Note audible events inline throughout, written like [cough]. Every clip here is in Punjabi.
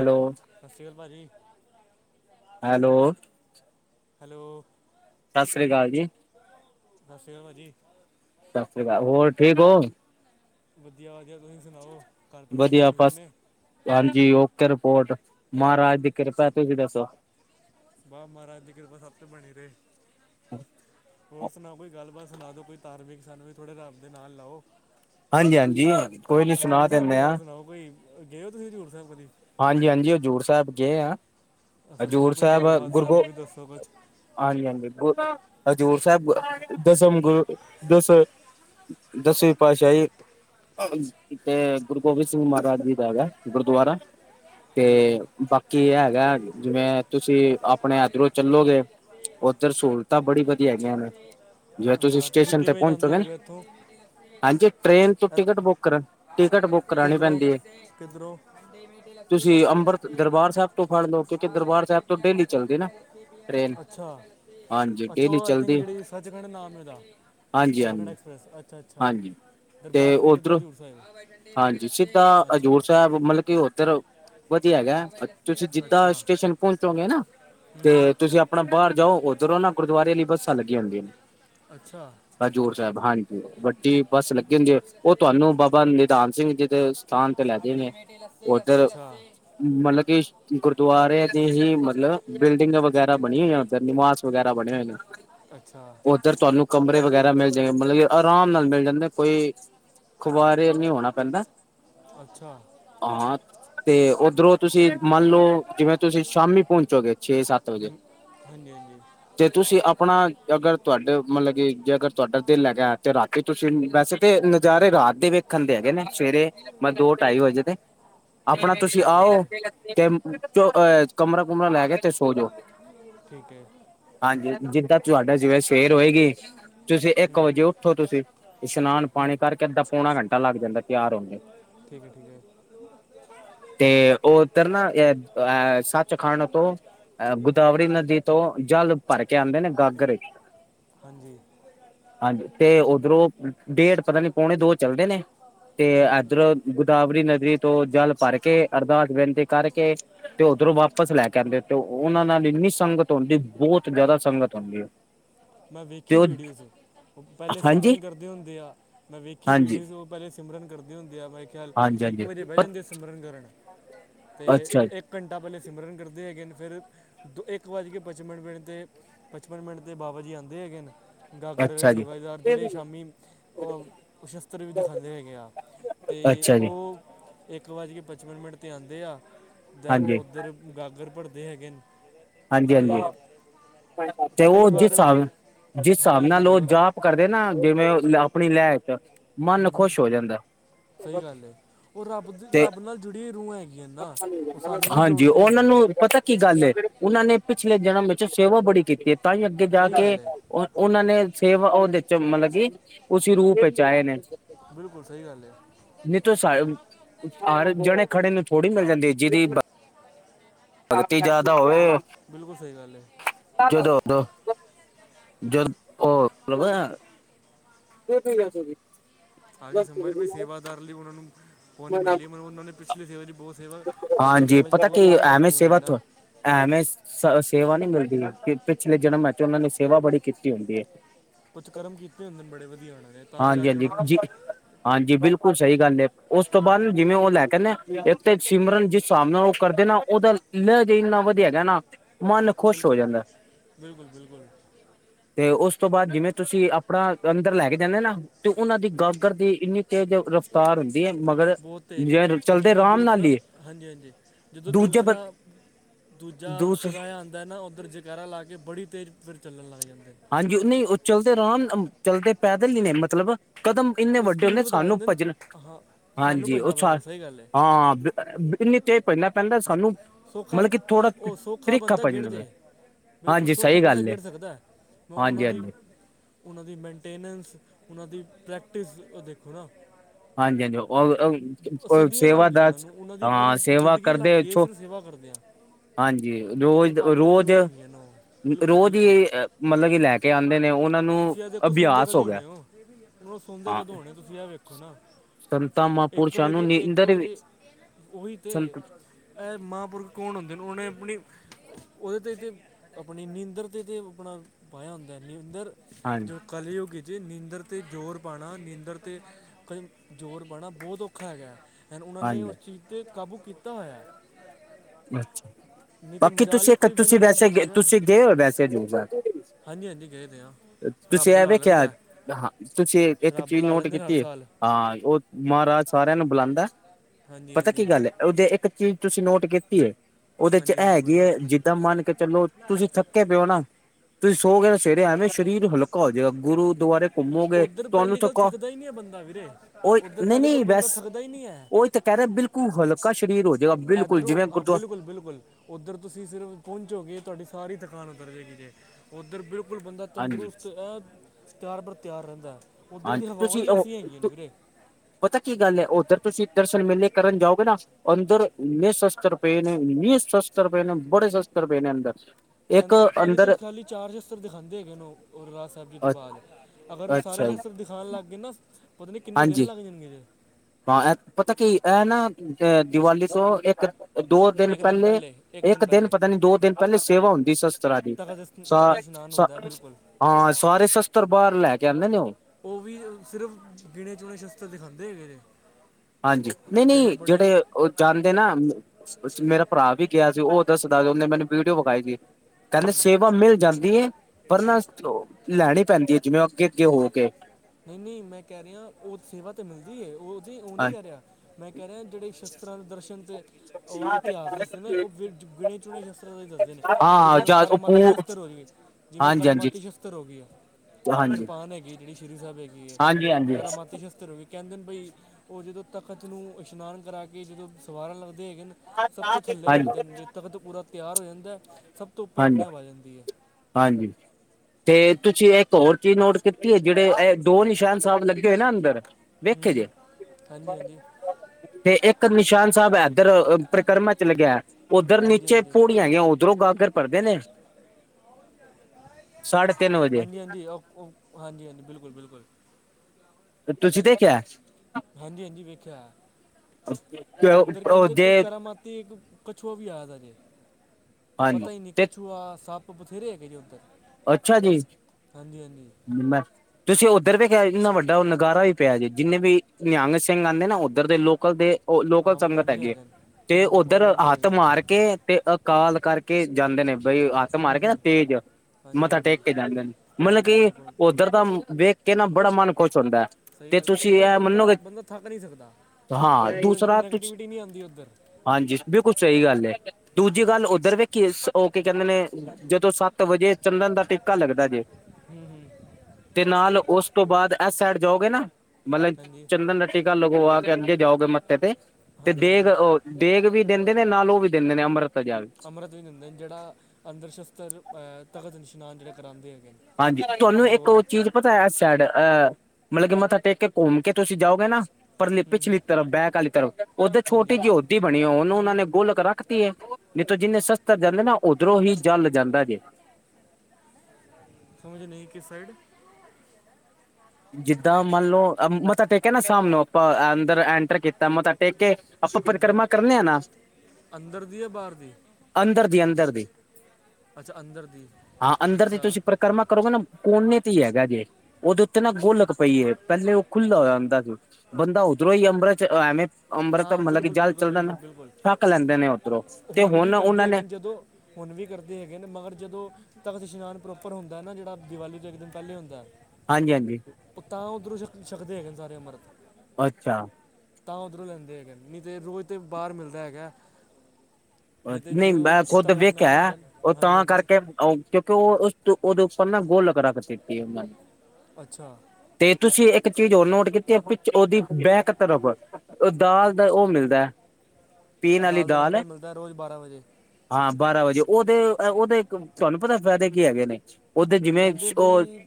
ਹੈਲੋ। ਸਾਸੀ ਕਾਲ ਪਾ ਜੀ, ਹੈਲੋ ਹੈਲੋ। ਸਾ ਸ੍ਰੀ ਕਾਲ ਜੀ। ਸਾਸੀ ਕਾਲ ਪਾਜੀ। ਸਾਸ੍ਰੀ ਕਾਲ, ਹੋਰ ਠੀਕ ਓ? ਵਦੀਆ-ਵਦੀਆ, ਤੁਸੀਂ ਸੁਣਾਓ? ਘਰ ਪਰਿਵਾਰ ਸਬ ਵਧੀਆ ਠੀਕ ਬਸ ਨੇ। ਹਾਂਜੀ, ਓਕੇ ਰਿਪੋਰਟ ਮਾਰਾਜ ਦੀ ਕਿਰਪਾ ਤੁਸੀਂ ਦੱਸੋ। ਵਾਹ! ਮਾਰਾਜ ਦੀ ਕਿਰਪਾ ਸਬ ਤੋਂ ਬਣੀ ਰਏ। [inaudible] ਹੋਰ ਸੁਣਾਓ ਕੋਈ ਗੱਲਬਾਤ ਸੁਣਾ ਦੋ ਕੋਈ ਧਾਰਮਿਕ ਸਾਨੂੰ ਵੀ ਥੋੜੇ ਰੱਬ ਦੇ ਨਾਲ ਲਾਓ। ਹਾਂਜੀ ਹਾਂਜੀ ਕੋਈ ਨੀ ਸੁਣਾ ਹਜ਼ੂਰ ਸੈਬ ਦਿੰਦੇ ਦੀ ਆ ਗੱਲ ਸੁਣਾਓ ਕੋਈ, ਗਏ ਓ ਤੁਸੀਂ ਹਜ਼ੂਰ ਸਾਹਿਬ ਕਦੀ? ਹਾਂਜੀ-ਹਾਂਜੀ, ਹਜ਼ੂੂਰ ਸੈਬ ਗਏ ਆ। ਸੁਣਾਓ ਹਜ਼ੂਰ ਕੋਈ ਗੱਲਬਾਤ ਸਾਨੂੰ ਵੀ ਦੱਸੋ ਕੁਛ? ਹਾਂਜੀ-ਹਾਂਜੀ, ਗੁਰ ਹਜ਼ੂਰ ਸੈਬ, ਦਸਮ ਗੁਰੂ ਦਸ ਦਸਵੀਂ ਪਾਤਸ਼ਾਈ ਤੇ ਗੁਰੂ ਗੋਬਿੰਦ ਸਿੰਘ ਮਾਰਾਜ ਜੀ ਦਾ ਹੈਗਾ ਗੁਰਦੁਆਰਾ। ਹਾਂਜੀ ਤੇ ਬਾਕੀ ਐ ਹੈਗਾ ਜਿਵੇਂ ਤੁਸੀਂ ਆਪ ਸਹੂਲਤਾਂ ਬੜੀ ਵਧੀਆ ਹੈਗੀਆਂ ਨੇ ਜੇ ਅੱਛਾ। ਤੁਸੀਂ ਸਟੇਸ਼ਨ ਤੇ ਕਿਵੇਂ ਜਾਂਦੇ ਪਹੁੰਚੋਗੇ ਨਾ ਹੋਗੇ ਇੱਥੋਂ? ਹਾਂਜੀ ਟ੍ਰੇਨ ਤੋਂ ਟਿਕਟ ਬੁੱਕ ਕਰ ਟਿਕਟ ਬੁੱਕ ਕਰਾਣੀ ਪੈਂਦੀ ਹੈ। ਕਿੱਦਰੋਂ-ਕਿੱਦਰੋਂ? ਤੁਸੀਂ ਅੰਮ੍ਰਿਤ ਦਰਬਾਰ ਸਾਹਿਬ ਤੋਂ ਫੜ ਲਓ ਕਿਉਂਕਿ ਦਰਬਾਰ ਸਾਹਿਬ ਤੋਂ ਡੇਲੀ [unintelligible] ਚੱਲਦੀ ਨਾ ਟ੍ਰੇਨ ਅੱਛਾ, ਹਾਂਜੀ ਅੱਛਾ ਡੇਲੀ ਉਹ ਆਈ ਥਿੰਕ ਚੱਲਦੀ ਜੇੜੀ ਸੱਚਖੰਡ ਨਾਮ ਐ ਓਦਾਂ। ਹਾਂਜੀ ਸੱਚਖੰਡ ਹਾਂਜੀ ਐਕਸਪ੍ਰੈਸ, ਅੱਛਾ-ਅੱਛਾ, ਹਾਂਜੀ ਤੇ ਦਰਬਾਰ ਸੈਬ ਸਿੱਧਾ ਉੱਧਰੋਂ ਹਜ਼ੂੂਰ ਸਾਈਬ। ਹਾਂਜੀ, ਸਿੱਧਾ ਹਜ਼ੂਰ ਸੈਬ ਮਤਲਬ ਕਿ ਉੱਧਰ ਵਦੀਆ ਹੈਗਾ, ਤੁਸੀਂ ਜਿੱਦਾਂ ਅੱਛਾ ਸਟੇਸ਼ਨ ਪਹੁੰਚੋਗੇ ਨਾ ਹੂੰ ਤੇ ਤੁਸੀਂ ਅਪਣਾ ਬਾਰ ਜਾਓ, ਉਧਰੋਂ ਨਾ ਗੁਰਦੁਆਰੇ ਆਲੀ ਬੱਸਾਂ ਲੱਗੀਆਂ ਹੁੰਦੀਆਨ। ਅੱਛਾ ਹਜ਼ੂਰ ਸਾਇਬ ਹਾਂਜੀ, ਵੱਡੀ ਬੱਸ ਲੱਗ ਹੋਂਦੀ ਏ ਉਹ ਤੁਆਨੂੰ ਬਾਬਾ ਨਿ ਧਾਨ ਸਿੰਘ ਜੀ ਦੇ ਸਥਾਨ ਤੇ ਲੈਜੇ ਨੇ ਓਧਰ ਮਤਲਬ- ਗੁਰਦੁਆਰਿਆਂ ਦੀ ਹੀ ਮਤਲਬ ਬਿਲਡਿੰਗ ਵਗੈਰਾ ਬਣੀ ਹੋਈਆਂ ਉੱਧਰ ਨਿਵਾਸ ਵਗੈਰਾ ਬਣੇ ਹੋਏ ਨੇ। ਅੱਛਾ। ਓਧਰ ਤੁਆਨੂੰ ਕਮਰੇ ਵਗੈਰਾ ਮਿਲ ਜੇਵੇ, ਮਤਲਬ ਆਰਾਮ ਨਾਲ ਮਿਲ ਜਾਂਦੇ, ਕੋਈ ਖੁਆਰ ਨੀ ਹੋਣਾ ਪੈਂਦਾ। ਅੱਛਾ ਤੇ ਓਧਰੋਂ ਤੁਸੀਂ ਮੰਨ ਲਓ ਜਿਵੇਂ ਤੁਸੀਂ ਸ਼ਾਮੀ ਪਹੁੰਚੋਗੇ ਛੇ, ਸੱਤ ਵਜੇ ਹਾਂਜੀ-ਹਾਂਜੀ। ਤੇ ਤੁਸੀਂ ਆਪਣਾ ਅਗਰ ਤੁਆਡੇ ਮਤਲਬ ਕਿ ਜੇ ਅਗਰ ਤੁਆਡਾ ਦਿਲ ਐਗਾ ਤੇ ਰਾ ਕਿ ਤੁਸੀਂ, ਵੈਸੇ ਤੇ ਨਜ਼ਾਰੇ ਰਾਤ ਦੇ ਵੇਖ ਣ ਦੇ ਹੈਗੇ ਨੇ, ਸਵੇਰੇ ਦੋ-ਢਾਈ ਵਜੇ ਦੇ, ਹੂੰ ਅਪਣਾ ਹੂੰ ਤੁਸੀਂ ਠੀਕ ਹੈ ਠੀਕ ਆਓ ਹੈ ਤੇ ਆ ਕਮਰਾ ਕੁਮਰਾ ਲੈ ਕੇ ਏਤੇ ਸੋਜੋ। ਠੀਕ ਐ। ਹਾਂਜੀ, ਜਿੱਦਾਂ ਤੁਆਡਾ ਜਿਵੇਂ ਸਵੇਰ ਹੋਏਗੀ ਤੁਸੀਂ ਇੱਕ ਹੂੰ ਵਜੇ ਉੱਠੋ ਤੁਸੀਂ ਇਸ਼ਨਾਨ ਹੂੰ ਪਾਣੀ ਕਰਕੇ ਅੱਦਾਂ ਪੌਣਾ ਘੰਟਾ ਲੱਗ ਜਾਂਦਾ ਤਿਆਰ ਹੁੰਦੇ ਠੀਕ ਐ, ਠੀਕ ਐ। ਤੇ ਓਧਰ ਨਾ ਅਹ ਐ ਸਚ ਖੰਡ ਤੋਂ ਐ ਗੋਦਾਵਰੀ ਨਦੀ ਤੋਂ ਜਲ ਭਰ ਕੇ ਆਂਦੇ ਨੇ ਗਾਗਰ ਇਚ ਹਾਂਜੀ। ਹਾਂਜੀ ਤੇ, ਉੱਧਰੋਂ ਡੇਟ ਪਤਾ ਨੀ ਪੋਣੇ ਦੋ ਚੱਲਦੇ ਨੇ ਤੇ ਹੂੰ ਐਧਰੋਂ ਗੋਦਾਵਰੀ ਨਦੀ ਤੋਂ ਜਲ ਭਰ ਕੇ ਅਰਦਾਸ ਬੇਨ ਥੀ ਕਰਕੇ ਤੇ ਓਧਰੋਂ ਵਾਪਸ ਲੈ ਕੇ ਆਂਦੇ, ਤੇ ਉਨਾਂ ਨਾਲ ਇੰਨੀ ਸੰਗਤ ਹੋਂਦੀ, ਬੌਤ ਜੈਦਾ ਸੰਗਤ ਹੁੰਦੀ ਐ। ਮੈਂ ਵੇਖੀ ਵੀਡੀਓਜ਼ ਪੈੱਲੇ ਹਾਂਜੀ ਸਿਮਰਨ ਕਰਦੇ ਹੁੰਦੇ ਆ, ਮੈਂ ਵੇਖੀ ਹਾਂਜੀ ਵੀਡੀਓਜ਼ ਓ ਪੈਂਲੇ ਸਿਮਰਨ ਕਰਦੇ ਹੁੰਦੇ ਆ ਮੇਰੇ ਖਿਆਲ ਹਾਂਜੀ ਇੱਕ ਹਾਂਜੀ ਵਜੇ ਬੈ ਜਾਂਦੇ ਸਿਮਰਨ ਕਰਨ ਤੇ ਅੱਛਾ ਜੀ ਇੱਕ ਘੰਟਾ ਪੈਲੇ ਸਿਮਰਨ ਕਰਦੇ ਹੈਗੇ ਨ ਫਿਰ ਦੋ ਇੱਕ ਵੱਜ ਕੇ ਪਚਮਣ ਮਿਨਟ ਤੇ ਪਚਪਨ ਮਿੰਟ ਤੇ ਬਾਬਾ ਜੀ ਆਂਦੇ ਹੈਗੇ ਨ। ਗਾਗਰ ਦੇ ਅੱਛਾ ਜੀ ਸੇਵਾਏਦਾਰ ਜੇੜੇ ਸ਼ਾਮੀ ਓ ਸ਼ਸਤਰ ਵੀ ਦਿਖਾਂਦੇ ਹੈਗੇ ਆ‌‌। ਤੇ ਅੱਛਾ ਜੀ ਓ ਇੱਕ ਵੱਜ ਕੇ ਪਚਪਨ ਮਿੰਟ ਤੇ ਆਂਦੇ ਆ, ਦੈਨ ਹਾਂਜੀ ਓਧਰ ਗਾਗਰ ਭਰਦੇ ਹੈਗੇਨ ਹਾਂਜੀ-ਹਾਂਜੀ, ਤੇ ਕਈ ਓ ਜਿਸ ਵਾਰ ਸਾਬ ਜਿਸ ਹਾਂਜੀ ਸਾਬ ਹਾਂਜੀ ਨਾਲ ਓ ਬੋਲੋ ਜਾਪ ਕਰਦੇ ਨਾ, ਜਿਵੇਂ ਓ ਅਪਣੀ ਲੈ ਚ ਮਨ ਖੋਸ਼ ਹੋ ਜਾਂਦਾ। ਸਈ ਗੱਲ ਏ, ਓ ਰੱਬ ਦੀ ਤੇ ਰੱਬ ਨਾਲ ਜੁੜੀ ਹੁਈ ਰੂਹ ਹੈ। ਹਾਂਜੀ, ਉਨਾਂ ਨੂੰ ਨੇ ਪਤਾ ਕੀ ਗੱਲ ਐ, ਉਨਾਂ ਨੇ ਪਿਛਲੇ ਜਨਮ ਇੱਚ ਸੇਵਾ ਬੜੀ ਕੀਤੀ ਐ ਤਾਂ ਈ ਅੱਗੇ ਜਾ ਸਹੀ ਕੇ ਗੱਲ ਹੈ ਉਨਾਂ ਨੇ ਸੇਵਾ ਓਦੇ ਚ ਮਤਲਬ ਕਿ ਓਸੀ ਰੂਪ ਚ ਆਏ ਨੇ। ਬਿਲਕੁਲ ਸਈ ਗੱਲ ਏ। ਨਹੀਂ ਤ [unintelligible] ਹਰ ਜਣੇ ਖੜੇ ਨੂੰ ਥੋੜੀ ਮਿਲ ਜਾਂਦੀ ਜਿਦੀ [unintelligible] ਭਗਤੀ ਜੈਦਾ ਹੋਏ ਬਿਲ- ਬਿਲਕੁਲ ਸਈ ਗੱਲ ਏ। [unintelligible] [unintelligible] ਆ ਗੀ ਸਮਝ ਵੀ ਸੇਵਾਦਾਰ ਲਈ ਉਨਾਂ ਨੂੰ ਹੁਨ ਨੀ ਮਿਲੀ ਮਤਲਬ ਉਨਾਂ ਨੇ ਪਿਛਲੀ ਜੀਵਨ ਚ ਬੌਤ ਸੇਵਾ, ਪਿਛਲੇ ਹਾਂਜੀ ਜਨਮ ਚ ਪਤਾ ਬੌਤ ਕੀ ਸੇਵਾ ਐਵੇਂ ਕੀਤੀ ਹੋਣੀ ਸੇਵਾ ਨਾ। ਤੋਂ ਐਵੇਂ ਸ ਸੇਵਾ ਨੀ ਮਿਲਦੀ ਕਿ ਪਿਛਲੇ ਜਨਮ ਚ ਉਨਾਂ ਨੇ ਸੇਵਾ ਬੜੀ ਕੀਤੀ ਹੁੰਦੀ ਐ। ਕੁਛ ਕਰਮ ਕੀਤੇ ਹੁੰਦੇ ਨੇ ਬੜੇ ਵਦੀਆ ਉਨਾਂ ਨੇ ਤਾਂ ਜਾ ਹਾਂਜੀ ਕੇ ਉਨਾਂ ਹਾਂਜੀ ਨੂੰ ਜੀ ਹਾਂਜੀ, ਬਿਲਕੁਲ ਸਈ ਗੱਲ ਏ, ਉਸ ਤੋਂ ਬਾਦ ਜਿਵੇਂ ਉਹ ਲੈ ਕੈਨੇ, ਇੱਕ ਤੇ ਸਿਮਰਨ ਜਿਸ ਸਾਬ ਨਾਲ ਓ ਕਰਦੇ ਨਾ, ਉਦਾ ਲੈਜਾ ਇੰਨਾ ਵਦੀਆ ਹੈਗਾ ਨਾ ਮਨ ਖੋਸ਼ ਹੋ ਬਿਲਕੁਲ ਜਾਂਦਾ। ਬਿਲਕੁਲ ਬਿਲਕੁਲ ਤੇ ਉਸ ਤੋਂ ਬਾਦ ਜਿਵੇਂ ਤੁਸੀਂ ਅਪਣਾ ਅੰਦਰ ਲੈ ਕੇ ਜਾਂਦੇ ਨਾ ਤੇ ਉਨਾਂ ਦੀ ਗਾਗਰ ਦੀ ਇੰਨੀ ਤੇਜ-ਤੇਜ ਰਫਤਾਰ ਹੁੰ ਦੀ ਏ ਮਗਰ ਬੌਤ ਤੇਜ਼ ਏ, ਜੇ ਓ ਚਲਦੇ ਜਦੋਂ ਆਰਾਮ ਨਾਲ ਦੂਸਰਾ ਹੀ ਹਾਂਜੀ-ਹਾਂਜੀ, ਜਦੋਂ ਦੂਜੇ ਬ ਦੂਸਰਾ ਦੂਜਾ ਦੂਸ ਚੁਰਾਆ ਆਂਦਾ ਨਾ, ਉੱਧਰ ਜਕੈਰਾ ਲਾ ਕੇ ਬੜੀ ਤੇਜ਼ ਫਿਰ ਚੱਲਣ ਲੱਗ ਜਾਂਦੇਨ। ਹਾਂਜੀ, ਨਈ ਓ ਚਲਦੇ ਰਾਮ, ਚਲਦੇ ਪੈਦਲ ਈ ਨੇ ਮਤਲਬ ਕਦਮ ਇੰਨੇ ਪਰ ਵੱਡੇ ਸਪੀਡ ਹੁੰਦੇ, ਵਧਾ ਸਾਨੂੰ ਦਿੰਦੇ ਨੇ ਤੇ- ਭੱਜਣ, ਹਾਂ ਸਾਨੂੰ ਹਾਂਜੀ ਉਹ ਭਜਣਾ ਪੈ ਸਾ ਜਾਂਦਾ ਸਹੀ ਗੱਲ ਹੈ ਹਾਂ। ਬੰਨੀ ਟੇ ਪੜਨਾ ਪੈਨਾ ਪੈਂਦਾ। ਸਾਨੂੰ ਸੌਖਾ, ਮਤਲਬ ਕਿ ਥੋੜਾ ਉਹ ਸੌਖਾ ਤਰੀਕਾ ਬੰਦਾ ਪੈ ਜਾਂਦਾ ਵੇ ਗ੍ਹੇੜਦੇ ਹੈ। ਬਿਲਕੁਲ, ਹਾਂਜੀ ਸੌਖਾ ਸਹੀ ਬੰਦਾ ਗੱਲ ਏ ਗ੍ਹੇੜ ਸਕਦਾ, ਮੈਂ ਉਹਨਾਂ ਹਾਂਜੀ ਦੀ ਹਾਂਜੀ ਉਹਨਾਂ ਦੀ ਮੇਨਟੇਨੈਂਸ, ਉਹਨਾਂ ਦੀ ਪ੍ਰੈਕਟਿਸ ਦੇਖੋ ਨਾ। ਹਾਂਜੀ ਹਾਂਜੀ ਉਹ ਸਦੀਆਂ ਲੰਘ ਸੇਵਾ ਗਈਆਂ‌ ਦਾ ਉਹਨਾਂ ਨੂੰ, ਉਹਨਾਂ ਦੀ ਪੂਰੀ ਹਾਂ ਸੇਵਾ ਜ਼ਿੰਦਗੀ ਲੱ ਕਰਦੇ ਗੀ ਛੋ ਸਿਰਫ ਸੇਵਾ ਕਰਦਿਆਂ। ਹਾਂਜੀ ਕਿੰਨੇ ਰੋਜ਼ ਭਾਗਾਂ ਵਾਲੀ ਰੋਜ਼ ਰੂਹਾ ਹੈਗੀਆਂ ਨ ਓਹ, ਰੋਜ਼ ਬਿਲਕੁਲ-ਬਿਲਕੁਲ। ਹੀ ਮਤਲਬ ਕਿ ਲੈ ਕੇ ਆਉਂਦੇ ਨੇ ਉਹਨਾਂ ਨੂੰ ਤੁਸੀਂ ਆ ਦੇਖੋ, ਸੋਂਦੇ ਅਭਿਆਸ ਹੋ ਕਦੋ ਗਿਆ ਹੋਣੇ ਓ? ਉਹ ਸੌਦੇ ਹਾਂ ਕਦੋਂ ਹੋਣੇ? ਤੁਸੀਂ ਆ ਵੇਖੋ ਨਾ, ਸੰਤਾਂ ਇੱਕ ਮਹਾਂਪੁਰਸ਼ਾਂ ਨੂੰ ਵਜੇ-ਇੱਕ ਨੀਂਦਰ ਵੀ ਵਜੇ, ਉਹੀ ਤੇ। ਸੰਤ ਐ, ਮਹਾਂਪੁਰਖ ਕੌਣ ਹੁੰਦੇ? ਉਹਨਾ ਨੇ ਅਪਣੀ ਉਹਦੇ ਤੇ ਤੇ, ਆਪਣੀ ਨੀਂਦਰ ਤੇ ਤਾਂ ਆਪਣਾ ਪਾਇਆ ਹੁੰਦਾ, ਨੀਂਦਰ ਹਾਂਜੀ ਜੋ ਕਲੀਯੋਗੀਈ'ਚ ਨੀਂਦਰ 'ਤੇ ਜ਼ੋਰ ਪਾਉਣਾ ਨੀਂਦਰ ਤੇ ਕ ਜ਼ੋਰ ਪਾਣਾ, ਬਹੁਤ ਔਖਾ ਹੈਗਾ। ਐਣ ਓਹਨਾਂ ਨੇ ਹਾਂਜੀ ਉਸ ਚੀਜ਼ 'ਤੇ ਕਾਬੂ ਕੀਤਾ ਹੋਇਆ ਐ। ਅੱਛ, ਬਾਕੀ ਤੁਸੀਂ, ਕੋਈ ਤੁਸੀਂ ਬਿਨਾਂ ਵੈਸੇ, ਨੀਂਦਰ ਤੁਸੀਂ ਗਏ ਹੋ ਵੈਸੇ ਜਾ ਹਾਂਜੀ-ਹਾਂਜੀ, ਗਏਦੇ ਓ, ਰੱਬ ਬੁਲਾ ਵੇਖਿਆ ਲੈਂਦਾ। ਹਾਂ, ਤੁਸੀਂ ਇੱਕ ਰੱਬ ਚੀਜ਼ ਬੁਲਾ ਨੋਟ ਲੈਂਦੇ ਨੇ ਹਰ ਕੀਤੀ? ਸਾਲ ਹਾਂ, ਉਹ ਮਹਾਰਾਜ ਸਾਰਿਆਂ ਨੂੰ ਬੁਲਾਂਦਾ, ਹਾਂਜੀ ਪਤਾ ਕੀ ਹਾਂਜੀ ਗੱਲ ਐ? ਉਹਦੇ ਇੱਕ ਚੀਜ਼ ਤੁਸੀਂ ਨੋਟ ਕੀਤੀ ਏ, ਉਹਦੇ'ਚ ਹਾਂਜੀ ਐ ਹਾਂਜੀ ਹੈਗੀ ਬੋਲੋ ਏ, ਜਿੱਦਾਂ ਮਨ ਚੱਲੋ, ਤੁਸੀਂ ਥੱਕੇ ਪਿਓ ਨਾ ਤੁਸੀਂ ਸੋ ਗਏ ਨਾ ਸਵੇਰੇ ਐਵੇਂ ਸਰੀਰ ਹਲਕਾ ਹੋ ਜਾਏਗਾ, ਗੁਰੂਦੁਆਰੇ ਘੁੰਮੋਗੇ, ਉੱਧਰ ਤੁਹਾਨੂੰ ਪਹਿਲੀ ਤਾ ਗੱਲ ਕ੍ਰੌ ਥੱਕਦਾ ਹੀ ਨਹੀਂ ਹੈ ਬੰਦਾ ਵੀਰੇ ਉਹਹੀ ਉੱਧਰ ਪਹਿਲੀ ਗੱਲ ਨਹੀਂ-ਨਹੀਂ, ਬੰਦਾ ਵੈਸ ਥੱਕਦਾ ਹੀ ਨਹੀਂ ਹੈ ਉਹੀ ਤਾਂ ਕਹਿ ਰਿਹਾ, ਬਿਲਕੁਲ ਹਲਕਾ ਸਰੀਰ ਹੋਜੇਗਾ, ਬਿਲਕੁਲ, ਜਿਵੇਂ ਗੁਰਦੁਆ ਬਿਲਕੁਲ-ਬਿਲਕੁਲ, ਉੱਧਰ ਤੁਸੀਂ ਸਿਰਫ ਪਹੁੰਚੋਗੇ, ਤੁਹਾਡੀ ਸਾਰੀ ਥਕਾਨ ਉੱਤਰ ਜਾਏਗੀ ਜੇ, ਉੱਧਰ ਬਿਲ ਬਿਲਕੁਲ ਬੰਦਾ ਹਾਂਜੀ ਤੰਦਰੁਸਤ, ਐ ਤਿਆਰ, ਬਰਤਿਆਰ ਰਹਿੰਦਾ ਏ, ਉੱਧਰ ਦੀ ਹਾਂਜੀ ਹਵਾਵਾਂ ਤੁਸੀਂ ਹੀ ਐਸੀਆਂ ਹੈਗੀਆਂ ਨੇ, ਉਹ ਵੀਰੇ। ਪਤਾ ਕੀ ਗੱਲ ਐ, ਉੱਧਰ ਤੁਸੀਂ ਦਰਸ਼ਨ ਮੇਲੇ ਕਰਨ ਜਾਓਗੇ ਨਾ ਅੰਦਰ ਇਹਨੇ ਸ਼ਸਤਰ ਪਏ ਨੇ, ਇਨੇ ਸ਼ਸਤਰ ਪਏ ਨੇ, ਬੜੇ ਸ਼ਸਤਰ ਪਏ ਨੇ ਅੰਦਰ। ਇੱਕ ਕਹਿੰਦੇ, ਤਾਂਹੀ ਤਾਂ ਅੰਦਰ ਖਾਲੀ ਚਾਰ ਜਸਤਰ ਦਿਖਾਂਦੇ ਹੈਗੇਨ, ਅਰਦਾਸ ਸਾਹਿਬ ਜੀ, ਤੋਂ ਬਾਅਦ। ਅਗਰ ਸਾਰੇ ਅੱਛਾ ਜੀ ਸ਼ਸਤਰ ਦਿਖਾਣ ਲੱਗੇ ਨਾ, ਪਤਾ ਨਹੀਂ ਕਿੰਨੇ ਹਾਂਜੀ ਦਿਨ ਲੱਗ ਜਾਣਗੇ ਜੇ। ਹਾਂ, ਐ ਪਤਾ ਕੀ, ਐ ਨਾ, ਦੀਵਾਲੀ ਤੋਂ ਇੱਕ ਦੋ-ਦਿਨ ਪਹਿਲੇ, ਇੱਕ ਦਿਨ ਪਤਾ ਨੀ, ਦੋ-ਦਿਨ ਪਹਿਲੇ ਸੇਵਾ ਹੁੰਦੀ ਸੀ। ਸਤਰਾ ਦੀ, ਤਖਤ ਸਾ, ਤਖਤ ਇਸ਼ਨਾਨ ਸਾਂ ਹੁੰਦਾ ਹੈ ਬਿਲਕੁਲ ਹਾਂ, ਸਾਰੇ ਸ਼ਸਤਰ ਬਾਹਰ ਲੈਕੇ ਆਂਦੇ ਨੇ ਉਹ। ਉਹ ਵੀ, ਸਿਰਫ ਗਿਣੇ-ਚੁਣੇ ਸ਼ਸਤਰ ਦਿਖਾਂਦੇ ਹੈਗੇ ਨੇ। ਹਾਂਜੀ। ਨਹੀਂ-ਨਹੀਂ ਜਿਹੜੇ ਉਹ ਜਾਂਦੇ ਨਾ, ਮੇਰਾ ਭਰਾ ਵੀ ਗਿਆ ਸੀ, ਉਹ ਦੱਸਦਾ ਸੀ ਉਹਨੇ ਮੈਨੂੰ ਵੀਡੀਓ ਵਿਖਾਈ ਸੀ। ਕਹਿੰਦੇ ਸੇਵਾ ਮਿਲ ਜਾਂਦੀ ਏ, ਪਰ ਨਾ ਲੈਣੀ ਪੈਂਦੀ ਹੈ, ਜਿਵੇਂ ਅੱਗੇ-ਅੱਗੇ ਹੋਕੇ। ਨਹੀਂ-ਨਹੀਂ, ਮੈਂ ਕਹਿ ਰਿਹਾ, ਉਹ ਸੇਵਾ ਤੇ ਮਿਲਦੀ ਏ, ਉਹ ਨਹੀਂ, ਉਹ ਨੀ ਹਾਂ ਕਹਿ ਰਿਹਾ। ਮੈਂ ਕਹਿ ਰਿਹਾ, ਜਿਹੜੇ ਸ਼ਸਤਰਾਂ ਦੇ ਦਰਸ਼ਨ ਤੇ ਉਹ ਇਤਿਹਾਸ ਦੱਸਦੇ ਨੇ ਉਹ ਗੀਣੇ ਚੁਣੇ ਸ਼ਸਤਰਾਂ ਦੇ ਦੱਸਦੇ ਨੇ, ਹਾਂ ਜਿਵੇਂ ਉਹ ਜਾ ਪੂ ਕਰਾਮਾਤੀ ਸ਼ਸਤਰ ਹੋ ਗਈ ਹੈ, ਜਿਵੇਂ ਉਹ ਹਾਂਜੀ ਹਾਂਜੀ ਕਰਾਮਾਤੀ ਸ਼ਸਤਰ ਹੋਗੀ ਹੈ। ਹਾਂਜੀ, ਕਿਰਪਾਨ ਹੈਗੀ, ਜਿਹੜੀ ਸ਼੍ਰੀ ਸਾਹਿਬ ਹੈਗੀ ਏ, ਹਾਂਜੀ, ਹਾਂਜੀ। ਕਰਾਮਾਤੀ ਸ਼ਸਤਰ ਹੋਈ ਕਹਿੰਦੇਨ ਬਈ, ਉਹ ਜਦੋਂ ਤਖ਼ਤ ਨੂੰ ਇਸ਼ਨਾਨ ਕਰਾਕੇ ਜਦੋਂ ਸਵਾਰਣ ਲੱਗਦੇ ਹੈਗੇ ਨਾ ਸਭ ਤੋਂ ਥੱਲੇ ਹਾਂਜੀ, ਰੱਖਦੇਨ, ਜੇ ਤਖਤ ਪੂਰਾ ਤਿਆਰ ਹੋ ਜਾਂਦੈ, ਸਭ ਤੋਂ ਉੱਪਰ ਹਾਂਜੀ, ਆਪਣੀ ਅਵਾਜ਼ ਆ ਜਾਂਦੀ ਹੈ। ਹਾਂਜੀ। ਤੇ ਤੁਸੀਂ ਇੱਕ ਹੋਰ ਚੀਜ਼ ਨੋਟ ਕੀਤੀ ਏ, ਜਿਹੜੇ ਇਹ ਦੋ ਨਿਸ਼ਾਨ ਸਾਹਿਬ ਲੱਗੇ ਗੇ ਨਾ, ਅੰਦਰ ਵੇਖੇ ਜੇ? ਹਾਂਜੀ-ਹਾਂਜੀ। ਤੇ, ਇੱਕ ਨਿਸ਼ਾਨ ਸਾਹਿਬ ਐਧਰ ਪਰਕਰਮਾ ਚਲਗਿਆ। ਉੱਧਰ ਹਾਂਜੀ ਨੀਚੇ ਹਾਂਜੀ ਪੋੜੀਆਂ ਹੈਗੀਆਂ, ਉੱਧਰੋਂ ਗਾਗਰ ਭਰਦੇ ਨੇ। ਸਾਢੇ ਤਿੰਨ ਵਜੇ ਹਾਂਜੀ-ਹਾਂਜੀ, ਹਾਂਜੀ-ਹਾਂਜੀ, ਬਿਲਕੁਲ-ਬਿਲਕੁਲ। ਤੁਸੀ ਦੇਖਿਆ? ਹਾਂਜੀ ਹਾਂਜੀ ਵੇਖਿਆ ਉੱਧਰ ਉਹ ਕਹਿੰਦੇ ਕੋਈ ਜੇ ਕਰਾਮਾਤੀ ਇੱਕ ਕੱਛੂ ਵੀ ਆਇ ਤ ਜੇ ਹਾਂਜੀ ਪਤਾ ਹੀ ਨਹੀਂ ਤੇ ਕੱਛੂਆ ਸੱਪ ਬਥੇਰੇ ਹੈਗੇ ਜੇ ਉੱਧਰ ਅੱਛਾ ਜੀ ਮੈਂ ਤੁਸੀਂ ਉੱਧਰ ਵੀ ਕਿਹਾ ਇਨਾ ਵੱਡਾ ਨਗਾਰਾ ਵੀ ਪਿਆ ਜੇ ਜਿੰਨੇ ਵੀ ਨਿਹੰਗ ਸਿੰਘ ਆਉਂਦੇ ਨਾ ਉੱਧਰ ਦੇ ਲੋਕਲ ਦੇ ਉਹ ਲੋਕਲ ਹਾਂ ਸੰਗਤ ਵਜਾਉਂਦੇ ਹੈਗੇ ਨੇ। ਤੇ ਹੂੰ ਹੂੰ, ਉਹ ਉੱਧਰ ਵਜਾਉਂਦੇ ਹੱਥ ਹੈਗੇ ਮਾਰ ਨੇ। ਕੇ ਤੇ ਅਕਾਲ ਕਰਕੇ ਜਾਂਦੇ ਨੇ ਬਈ ਹੱਥ ਹੂੰ ਮਾਰ ਕੇ ਨਾ ਹੂੰ ਤੇਜ ਹਾਂਜੀ ਮੱਥਾ ਹਾਂਜੀ ਟੇਕ ਕੇ ਜਾਂਦੇ ਨੇ ਮਤਲਬ ਬਿਲਕੁਲ ਕੀ ਬਿਲਕੁਲ ਉੱਧਰ ਤਾਂ ਵੇਖ ਕੇ ਨਾ ਬੜਾ ਮਨ ਖੁਸ਼ ਹੁੰਦਾ ਸਹੀ ਤੇ ਗੱਲ ਤੁਸੀਂ ਉੱਧਰ ਇਹ ਬੰਦਾ ਮੰਨੋਗੇ ਬੰਦਾ ਥੱਕ ਨਹੀਂ ਸਕਦਾ ਹਾਂ ਬੰਦੇ ਨੂੰ ਦੂਸਰਾ ਤੁਸ ਨੈਗੇਟਿਵਿਟੀ ਨਹੀਂ ਆਉਂਦੀ ਉੱਧਰ ਹਾਂਜੀ ਬਿਲਕੁਲ ਸਹੀ ਗੱਲ ਹੈ ਦੂਜੀ ਗੱਲ ਉੱਧਰ ਵੇਖੀ ਉਹ ਕੀ ਕਹਿੰਦੇ ਨੇ ਜਦੋਂ ਸੱਤ ਤ ਵਜੇ ਚੰਨਣ ਦਾ ਟੇਕਾ ਲੱਗਦਾ ਜੇ ਹੂੰ ਹੂੰ ਤੇ ਨਾਲ ਉਸ ਤੋਂ ਬਾਅਦ ਇਸ ਸਾਈਡ ਜਾਓਗੇ ਨਾ ਮਤਲਬ ਹਾਂਜੀ ਚੰਦਨ ਕ ਲ ਆ ਕੇ ਅੱਗੇ ਜਾਓਗੇ ਮੱਥੇ ਤੇ ਤੇ ਹਾਂਜੀ ਦੇਖ ਹਾਂਜੀ ਦੇਗ ਵੀ ਦਿੰਦੇ ਨੇ ਨਾਲੋਂ ਵੀ ਦਿੰਦੇ ਨੇ ਅੰਮ੍ਰਿਤ ਦਾ ਜਾਗ ਅੰਮ੍ਰਿਤ ਨਹੀਂ ਦਿੰਦੇ ਜਿਹੜਾ ਅੰਦਰ ਸ਼ਸਤਰ ਤਖ਼ਤਿਸ਼ਨਾਨਹੇ ਕਰਾਦੇ ਹੈਗੇ ਹਾਂਜੀ ਤੁਹਾਨੂੰ ਨੇ ਇੱਕ ਰੋਜ਼ ਉਹ ਚੀਜ਼ ਹੂੰ ਪਤਾ ਹੈ ਐਸ ਸਾਈਡ, ਅਹ ਮਤਲਬ ਕਿ ਮੱਥਾ ਟੇਕ ਕੇ ਘੁੰਮ ਕੇ ਤੁਸੀਂ ਜਾਓਗੇ ਨਾ ਪਰਲੀ ਪਿਛਲੀ ਹੂੰ ਤਰਫ ਬੈਕ ਵਾਲੀ ਤਰਫ। ਓਧਰ ਛੋਟੀ ਹਾਂਜੀ ਜਿਹੀ ਹੋਦੀ ਬਣੀ। ਉਹਨੂੰ ਉਹਨਾ ਨੇ ਗੋਲਕ ਕਰ ਰੱਖ ਜਿੱਧਰ ਜਿੰਨੇ ਸਸਤਾ ਜਾਂਦੇ ਨਾ ਓਧਰੋਂ ਹੀ ਜਲ ਜਾਂਦਾ ਜੇ ਸਮੇ ਨਈ ਆਈ ਕਿਸ ਸਾਈਡ ਜਿੱਦਾਂ ਮੰਨ ਲਓ ਮੱਥਾ ਟੇਕਿਆ ਨਾ ਸਾਹਾਮ ਨੇ ਆਪਾਂ ਅੰਦਰ ਐਂਟਰ ਕੀਤਾ ਮੱਥਾ ਟੇਕ ਕੇ ਆਪਾਂ ਹਾਂਜੀ ਪਰਿਕਰਮਾ ਕਰਨੇ ਆ ਨਾ, ਅੰਦਰ ਦੀ ਹੈ ਬਾਹਰ ਦੀ ਅੰਦਰ ਦੀ ਅੰਦਰ ਦੀ। ਅੱਛਾ ਅੰਦਰ ਦੀ। ਅੱਛਾ ਕਰਮਾ ਕਰੋਗੇ ਨਾ ਕੋਨੇ ਤੇ ਹੀ ਹੈਗਾ ਜੇ ਉਹਦੇ ਇਕ ਨਾ ਗੋਲਕ ਪਈ ਹੈ, ਪਹਿਲੇ ਉਹ ਖੁੱਲਾ ਹੋਇਆ ਹੁੰਦਾ ਦਾ ਸੀ, ਬੰਦਾ ਉਧਰੋਂ ਹੀ ਅੰਮ੍ਰਤ ਐਵੇਂ ਅੰਮ੍ਰਿਤ ਹਾਂ ਮਤਲਬ ਕਿ ਬਿਲਕੁਲ ਜਲ ਬਿਲਕੁਲ ਚੱਲਦਾ ਬਿਲਕੁਲ ਨਾ ਬਿਲਕੁਲ, ਛੱਕ ਲੈਂਦੇ ਨੇ ਉੱਧਰੋਂ ਤੇ ਹੁਣ ਵੀ ਕਰਦੇ ਉਹਨਾਂ ਹੈਗੇ ਨੇ ਜਦੋਂ ਹੁਣ ਵੀ ਕਰਦੇ ਹੈਗੇ ਨੇ ਮਗਰ ਜਦੋਂ ਤਖ਼ਤ ਇਸ਼ਨਾਨ ਪ੍ਰੋਪਰ ਹੁੰਦਾ ਨਾ ਜਿਹੜਾ ਦੀਵਾਲੀ ਤੋਂ ਇੱਕ ਦਿਨ ਪਹਿਲੇ ਹੁੰਦਾ ਹਾਂਜੀ ਹਾਂਜੀ। ਉਹ ਤਾਂ ਉੱਧਰੋਂ ਛਕ ਛਕਦੇ ਹੈਗੇ ਨੇ ਸਾਰੇ ਅੰਮ੍ਰਿਤ ਅੱਛਾ ਤਾਂ ਉੱਧਰੋਂ ਲੈਂਦੇ ਹੈਗੇ, ਨਹੀਂ ਤਾਂ ਰੋਜ਼ ਤਾਂ ਬਾਹਰ ਮਿਲਦਾ ਹੈਗਾ ਤੇ ਨਹੀਂ ਜਦੋਂ ਮੈਂ ਖੁੱਦ ਤਾਂ ਇਸ਼ਨਾਨ ਵੇਖਿਐ ਹੁੰਦਾ ਨਾ ਉਹ ਹਾਂਜੀ ਤਾਂ ਹਾਂਜੀ ਕਰਕੇ ਤੇ ਉਸ ਉਹਦੇ ਉੱਪਰ ਨਾ ਗੋਲ ਰੱਖ ਦਿੱਤੀ ਉਹਨਾਂ ਨੇ ਅੱਛਾ ਤੇ ਤੁਸੀਂ ਇੱਕ ਚੀਜ਼ ਹੋਰ ਨੋਟ ਕੀਤੀ ਹੈ, ਪ ਉਹਦੀ ਬੈਕ ਤਰਫ ਦਾਲ ਦਾ ਉਹ ਮਿਲਦਾ ਹੈ ਦਾਲ ਦਾ ਲੰਗਰ ਮਿਲਦੈ ਰੋਜ਼ ਬਾਰ੍ਹਾਂ ਵਜੇ ਹਾਂ ਬਾਰਾਂ ਵਜੇ ਉਹਦੇ ਉਹਦੇ ਤੁਹਾਨੂੰ ਪਤਾ ਫਾਇਦੇ ਕੀ ਹੈਗੇ ਨੇ। ਓਦੇ ਜਿਵੇਂ ਕਹਿੰਦੇ ਉਹ ਬਈ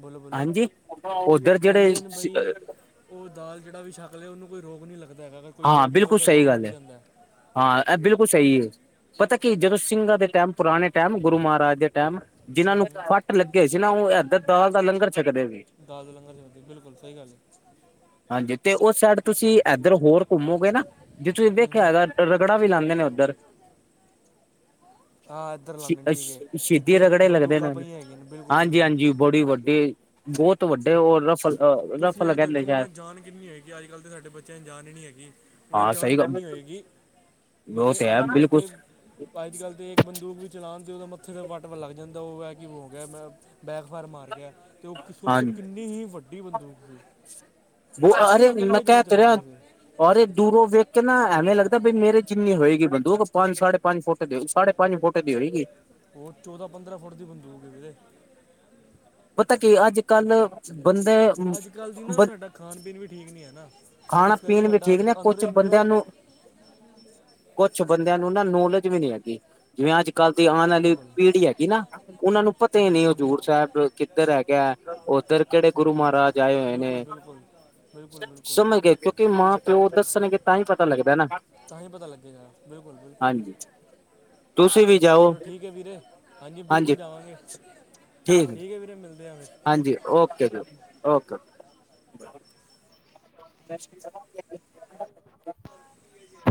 ਬੋਲੋ ਬੋਲੋ ਹਾਂਜੀ, ਓਧਰ ਜਿਹੜੇ ਕਹਿੰਦੇ ਨੇ ਬਈ ਉਹ ਦਾਲ ਜਿਹੜਾ ਵੀ ਛਕ ਲਏ, ਉਹਨੂੰ ਕੋਈ ਰੋਗ ਨਹੀਂ ਲੱਗਦਾ ਹੈਗਾ, ਅਗਰ ਕੋਈ ਹਾਂ ਰੋਗ ਹੈਗਾ ਬਿਲਕੁਲ ਉਹਦਾ ਰੋਕ ਸਹੀ ਮਿਟ ਗੱਲ ਹੈ ਜਾਂਦਾ ਹਾਂ ਇਹ ਬਿਲਕੁਲ ਸਹੀ ਹੈ, ਪਤਾ ਕੀ ਜਦੋਂ ਸਿੰਘਾਂ ਦੇ ਟਾਈਮ ਪੁਰਾਣੇ ਟਾਈਮ ਗੁਰੂ ਮਹਾਰਾਜ ਦੇ ਟਾਈਮ, ਜਿਹਨਾਂ ਹੂੰ ਨੂੰ ਹੂੰ ਫੱਟ ਲੱਗੇ ਸੀ ਨਾ, ਉਹ ਇਧਰ ਦਾਲ ਦਾ ਲੰਗਰ ਛਕਦੇ ਸੀ ਦਾਲ ਦੇ ਲੰਗਰ ਚਲਦੇ, ਬਿਲਕੁਲ ਸਹੀ ਗੱਲ ਹੈ ਹਾਂਜੀ ਤੇ ਉਸ ਸਾਈਡ ਤੁਸੀਂ ਇੱਧਰ ਹੋਰ ਘੁੰਮੋਗੇ ਨਾ, ਜਿੱਥੇ ਤੁਸੀਂ ਹੂੰ ਦੇਖਿਆ ਹੂੰ ਹੈਗਾ ਰਗੜਾ ਵੀ ਲਾਂਦੇ ਨੇ ਉੱਧਰ। ਆ ਇੱਧਰ ਸ਼ ਲਾਉਂਦੇ ਨੇ, ਸ਼ ਠੀਕ ਹੈ ਸ਼ਹੀਦੀ ਜਿੱਦੇ ਰਗੜੇ ਲੱਗਦੇ ਬੰਦੂਕਾਂ ਨੇ, ਪਈਆਂ ਹੈਗੀਆਂ ਨੇ ਬਿਲਕੁਲ ਹਾਂਜੀ ਬਿਲਕੁਲ ਹਾਂਜੀ ਬੜੀ ਵੱਡੀ ਬਹੁਤ ਵੱਡੇ ਔ ਰਫਲ ਤੁਸੀਂ ਆ ਰਫਲ ਕਹਿੰਦੇ ਦੇਖੋ ਸ਼ਾਇਦ ਹੁਣ ਜਾਨ ਕਿੰਨੀ ਹੈਗੀ, ਅੱਜ ਕੱਲ੍ਹ ਤਾਂ ਸਾਡੇ ਬੱਚਿਆਂ ਚ ਜਾਨ ਹੀ ਨੀ ਹੈਗੀ ਹੁਣ ਜਾਨ ਕਿੰਨੀ ਹੋਏਗੀ, ਨਹੀਂ ਤੇ ਅੱਜ ਕੱਲ੍ਹ ਤੇ ਅੱਜ ਕੱਲ੍ਹ ਤਾਂ ਇੱਕ ਬੰਦੂਕ ਵੀ ਚਲਾਉਣ ਅਤੇ ਉਹਦਾ ਮੱਥੇ ਦਾ ਵੱਟ ਵ ਲੱਗ ਜਾਂਦਾ ਉਹ ਹੈ ਕਿ ਹੋ ਗਿਆ ਮੈਂ ਬੈਗਫਾਰਮ ਆ ਰਹੀ ਐ ਤੇ ਉਹ ਸੋਚੋ ਕਿੰਨੀ ਹੀ ਵੱ ਅਰੇ ਮੈਂ ਇਕੱਲੇ ਜਣੇ ਕਹਿ ਤੇ ਰਿਆ ਚਲਾਉਂਦੇ ਸੀ ਔਰ ਇਹ ਦੂਰੋਂ ਵੇਖ ਕੇ ਨਾ ਐਵੇਂ ਲੱਗਦਾ ਬਈ ਮੇਰੇ ਜਿੰਨੀ ਹੋਏਗੀ ਬੰਦੂਕ ਪੰਜ ਸਾਢੇ ਪੰਜ ਫੁੱਟ ਦੀ ਸਾਢੇ ਪੰਜ ਫੁਟੇ ਦੀ ਹੋਏਗੀ। ਉਹ ਚੌਦਾਂ ਪੰਦਰਾਂ ਫੁੱਟ ਦੀ ਬੰਦੂਕ ਏ ਵੀਰੇ। ਪਤਾ ਕੀ ਅੱਜ ਕੱਲ ਬੰਦੇ ਅੱਜ ਕੱਲ੍ਹ ਦੀ ਨਾ ਸਾਡਾ ਖਾਣ ਪੀਣ ਵੀ ਠੀਕ ਨੀ ਹੈ ਨਾ। ਜਿਸ ਕਰਕੇ ਖਾਣਾ-ਪੀਣ ਵੀ ਸਾਡਾ ਠੀਕ ਅੰਦ- ਨੇ ਅੰਦਰੋਂ ਕੁਛ ਬੰਦਿਆਂ ਇਮਿਊਨ ਨੂੰ ਕੁਛ ਬੰਦਿਆਂ ਨੂੰ ਨਾ ਨੌਲੇਜ ਵੀ ਨੀ ਹੈਗੀ। ਜਿਵੇਂ ਅੱਜ ਕੱਲ੍ਹ ਦੀ ਆਣ ਵਾਲੀ ਬਿਲਕੁਲ ਹੂੰ ਪੀੜ੍ਹੀ ਹੈਗੀ ਨਾ। ਉਹਨਾ ਨੂੰ ਪਤਾ ਹੀ ਨਹੀਂ ਹੂੰ ਹਜ਼ੂਰ ਸਾਹਿਬ ਕਿੱਧਰ ਹੈਗਾ ਉੱਧਰ ਕਿਹੜੇ ਗੁਰੂ ਹੂੰ ਮਹਾਰਾਜ ਆਏ ਹੋਏ ਬਿਲਕੁਲ ਨੇ। ਬਿਲਕੁਲ ਬਿਲਕੁਲ ਬਿਲਕੁਲ ਸਮਝ ਗਏ ਕਿਉਂਕਿ ਮਾਂ ਪਿਓ ਦੱਸਣਗੇ ਤਾਂ ਹੀ ਪਤਾ ਲੱਗਦਾ ਨਾ। ਤਾਂ ਹੀ ਪਤਾ ਲੱਗੇਗਾ ਬਿਲਕੁਲ-ਬਿਲਕੁਲ ਹਾਂਜੀ ਤੁਸੀਂ ਵੀ ਜਾਓ ਚਲੋ ਠੀਕ ਹੈ ਵੀਰੇ ਹਾਂਜੀ ਬਿਲਕੁਲ ਜਾਵਾਂਗੇ। ਠੀਕ ਹੈ ਵੀਰੇ ਮਿਲਦੇ ਆ ਫੇਰ ਹਾਂਜੀ ਓਕੇ ਜੀ ਓਕੇ- ਓਕੇ ਰੂਮ ਫਰੈਸ ਕਰਾ। [inaudible] [inaudible] ਠੀਕ ਹੈ।